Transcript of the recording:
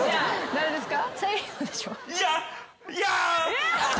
・誰ですか？